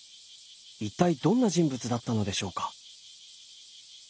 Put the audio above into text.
一体どんな人物だったのでしょうか？